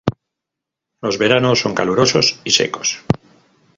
Los veranos son calurosos y secos.